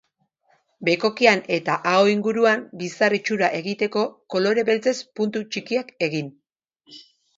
Bekokian eta aho inguruan bizar itxura egiteko kolore beltzez puntu txikiak egin.